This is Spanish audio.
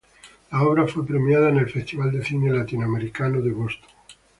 La obra fue premiada en el Festival de Cine Latinoamericano de Boston.